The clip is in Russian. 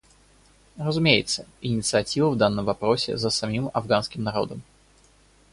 Разумеется, инициатива в данном вопросе за самим афганским народом.